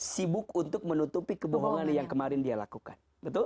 sibuk untuk menutupi kebohongan yang kemarin dia lakukan